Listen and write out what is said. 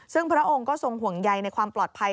ซึ่งพระองค์ก็ทรงห่วงใยในความปลอดภัย